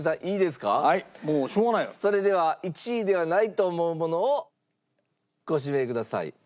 それでは１位ではないと思うものをご指名ください。